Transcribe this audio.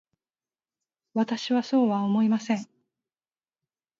私はそうは思いません。